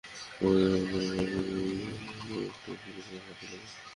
কেবল জয়নুল আবেদিনের ব্রাশ ড্রয়িংগুলো মনে একটা দীর্ঘস্থায়ী ছাপ ফেলে যায়।